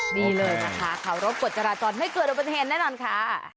ดีเลยนะคะขอรับกวดจราจรให้เกลือโดยประเทศแน่นอนค่ะ